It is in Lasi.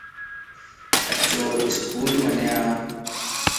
اچو اسڪول ونيا